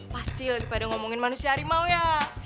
pasti lebih pada ngomongin manusia harimau ya